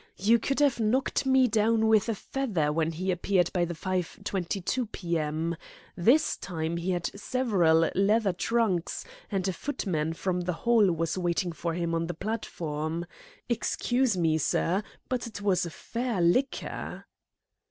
You could have knocked me down with a feather when he appeared by the 5.22 p.m. This time he had several leather trunks, and a footman from the Hall was waiting for him on the platform. Excuse me, sir, but it was a fair licker!"